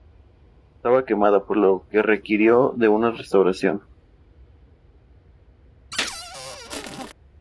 Estaba quemada, por lo que requirió de una restauración.